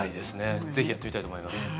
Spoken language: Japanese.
ぜひやってみたいと思います。